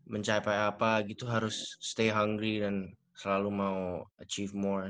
mencapai apa gitu harus stay hungry dan selalu mau achieve more